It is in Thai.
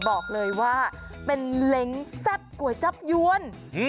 บอกเลยว่าเป็นเล้งแซ่บก๋วยจับยวน